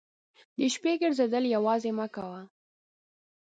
د شپې ګرځېدل یوازې مه کوه.